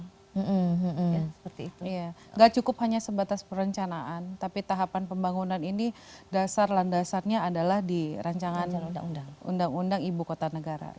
tidak cukup hanya sebatas perencanaan tapi tahapan pembangunan ini dasar landasannya adalah di rancangan undang undang ibu kota negara